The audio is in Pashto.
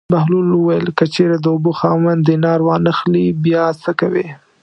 بهلول وویل: که چېرې د اوبو خاوند دینار وانه خلي بیا څه کوې.